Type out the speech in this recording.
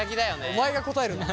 お前が答えるな。